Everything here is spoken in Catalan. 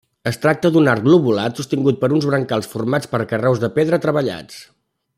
Es tracta d'un arc lobulat sostingut per uns brancals formats per carreus de pedra treballats.